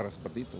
karena seperti itu